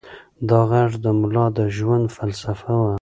دا غږ د ملا د ژوند فلسفه وه.